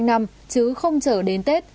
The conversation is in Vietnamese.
ngăn chặn không để pháo lọt ra